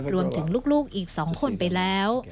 รวมถึงลูกอีก๒คนไปแล้ว